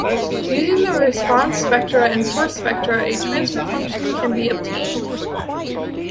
Using the response spectra and force spectra, a transfer function can be obtained.